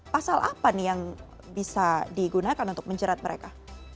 pasal apa nih yang bisa digunakan untuk menjerat mereka